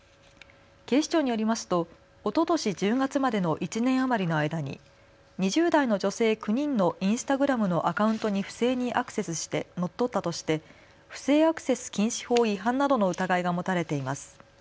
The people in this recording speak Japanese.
警視庁によりますとおととし１０月までの１年余りの間に２０代の女性９人のインスタグラムのアカウントに不正にアクセスして乗っ取ったとして不正アクセス禁止法違反などの疑いが持たれています。